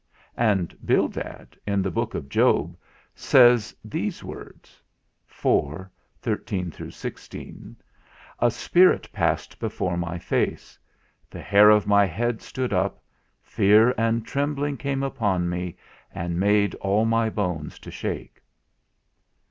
And Bildad, in the Book of Job, says these words (iv. 13 16): "A spirit passed before my face; the hair of my head stood up; fear and trembling came upon me, and made all my bones to shake."